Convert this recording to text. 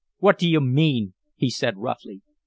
"What do you mean?" he said, roughly.